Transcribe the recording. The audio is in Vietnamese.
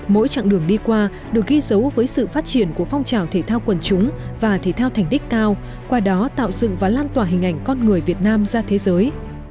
mỗi chặng đường đi qua được ghi dấu với sự phát triển của phong trào thể thao quần chúng và thể thao thành tích cao qua đó tạo dựng và lan tỏa hình ảnh con người việt nam ra thế giới